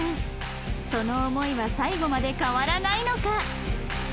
その思いは最後まで変わらないのか？